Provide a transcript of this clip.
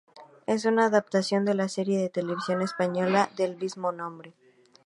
Es una adaptación de la serie de televisión española "del mismo nombre".